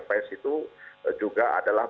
pres itu juga adalah